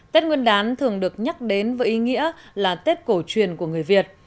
tết nguyên đán thường được nhắc đến với ý nghĩa là tết cổ truyền của người việt